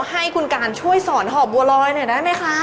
ให้คุณการช่วยสอนหอบบัวลอยหน่อยได้ไหมคะ